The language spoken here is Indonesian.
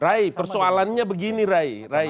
rai persoalannya begini rai